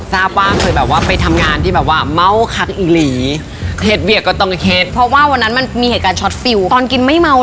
ซ้าบว่าเคยไปทำงานที่ม้าวคักอีหรี